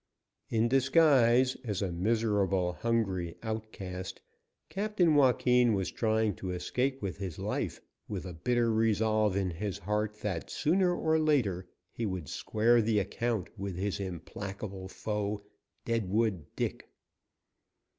In disguise, as a miserable, hungry outcast, Captain Joaquin was trying to escape with his life, with a bitter resolve in his heart that, sooner or later, he would square the account with his implacable foe, Deadwood Dick.